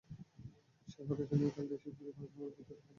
সেই হতাশা নিয়ে কাল দেশে ফিরে বিমানবন্দরেই পদত্যাগ করলেন মারুফুল হক।